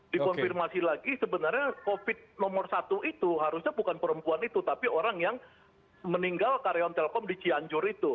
dikonfirmasi lagi sebenarnya covid nomor satu itu harusnya bukan perempuan itu tapi orang yang meninggal karyawan telkom di cianjur itu